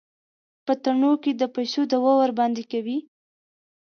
په تاڼو کې د پيسو دعوه ورباندې کوي.